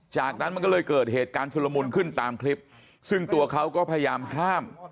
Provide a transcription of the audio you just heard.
จากนั้นมันก็เลยเกิดเหตุการณ์ชุลมุนขึ้นตามคลิปซึ่งตัวเขาก็พยายามห้าม